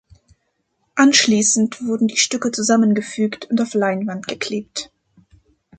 Anschließend wurden die Stücke zusammengefügt und auf Leinwand geklebt.